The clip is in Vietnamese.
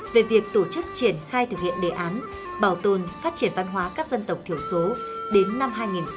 về việc tổ chức triển khai thực hiện đề án bảo tồn phát triển văn hóa các dân tộc thiểu số đến năm hai nghìn ba mươi